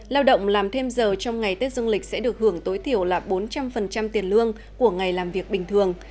lao động làm thêm giờ trong ngày tết dương lịch sẽ được hưởng tối thiểu là bốn trăm linh tiền lương của ngày làm việc bình thường